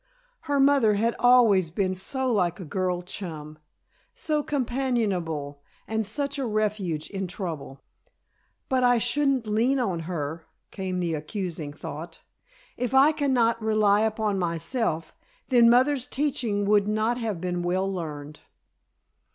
Her mother had always been so like a girl chum, so companionable and such a refuge in trouble. "But I shouldn't lean on her," came the accusing thought. "If I cannot rely upon myself, then mother's teaching would not have been well learned."